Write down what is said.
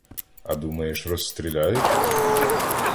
— А думаєш, розстріляють?